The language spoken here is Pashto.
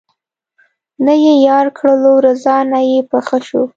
نه یې یار کړلو رضا نه یې په ښه شو